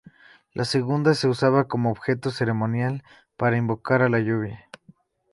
La segunda se usaba como objeto ceremonial para invocar a la lluvia.